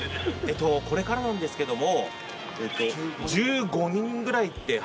これからなんですけども。